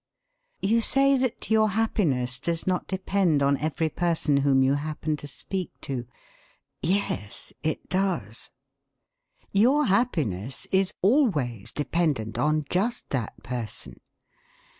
You say that your happiness does not depend on every person whom you happen to speak to. Yes, it does. Your happiness is always dependent on just that person.